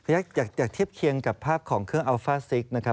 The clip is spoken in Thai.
อยากจะเทียบเคียงกับภาพของเครื่องอัลฟ่าซิกนะครับ